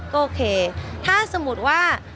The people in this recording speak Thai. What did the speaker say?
ก็โอเคถ้าสมมุติว่า